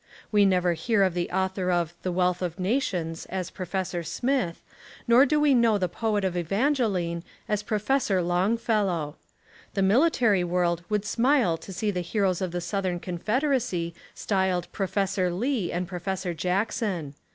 We never hear of the author of The Wealth of Na tions as Professor Smith, nor do we know the poet of Evangeline as Professor Long fellow. The military world would smile to see the heroes of the Southern Confederacy styled Professor Lee and Professor Jackson.